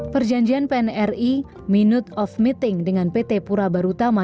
perjanjian pnri minute of meeting dengan pt pura barutama